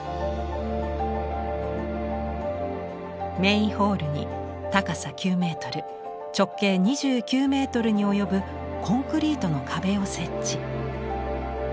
メインホールに高さ９メートル直径２９メートルに及ぶコンクリートの壁を設置。